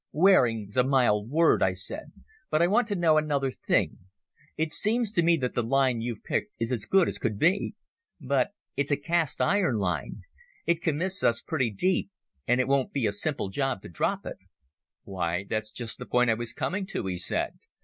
"Wearing's a mild word," I said. "But I want to know another thing. It seems to me that the line you've picked is as good as could be. But it's a cast iron line. It commits us pretty deep and it won't be a simple job to drop it." "Why, that's just the point I was coming to," he said.